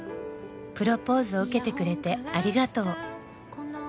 「プロポーズを受けてくれてありがとう」